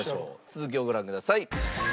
続きをご覧ください。